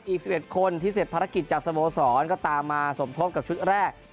อีก๑๑คนที่เสร็จภารกิจจากสโมสรก็ตามมาสมทบกับชุดแรก